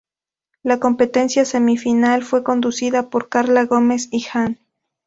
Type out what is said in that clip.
La Competencia Semifinal fue conducida por Karla Gómez y Jan.